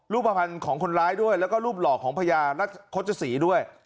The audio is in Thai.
รูปภัณฑ์ของคนร้ายด้วยแล้วก็รูปหล่อของพญาโฆษศรีด้วย